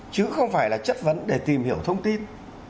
chứ không phải là chất vấn để tìm hiểu thông tin